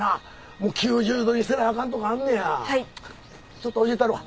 ちょっと教えたるわ。